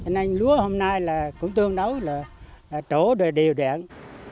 nên lúa hôm nay cũng tương đấu là trổ đều đẹp